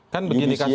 kan begini kasusnya